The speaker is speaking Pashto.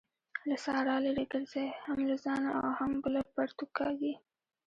له سارا لري ګرځئ؛ هم له ځانه او هم بله پرتوګ کاږي.